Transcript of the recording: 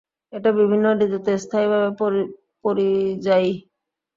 এটা বিভিন্ন ঋতুতে স্থানীয়ভাবে পরিযায়ী।